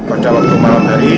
pada waktu malam hari